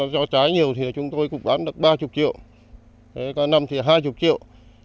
do trái nhiều thì chúng tôi cũng bán được ba mươi triệu có năm thì hai mươi triệu